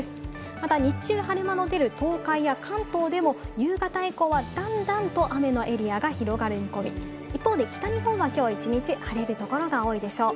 また日中、晴れ間の出る東海や関東でも夕方以降は段々と雨のエリアが広がる見込み、一方で北日本はきょう１日晴れるところが多いでしょう。